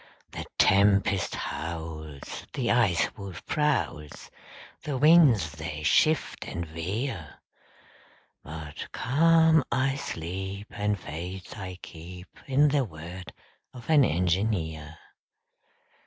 The tempest howls, The Ice Wolf prowls, The winds they shift and veer, But calm I sleep, And faith I keep In the word of an engineer.